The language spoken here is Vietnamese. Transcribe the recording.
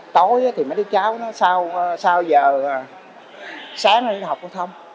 tối thì mấy đứa cháu sau giờ sáng đi học không